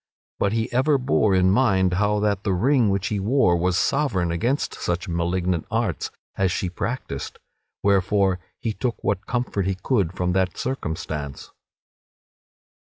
But he ever bore in mind how that the ring which he wore was sovereign against such malignant arts as she practised, wherefore he took what comfort he could from that circumstance.